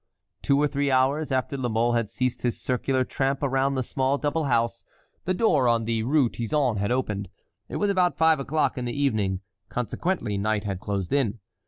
Two or three hours after La Mole had ceased his circular tramp around the small double house, the door on the Rue Tizon had opened. It was about five o'clock in the evening, consequently night had closed in.